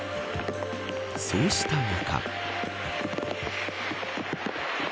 そうした中。